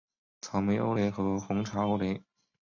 草莓欧蕾和红茶欧蕾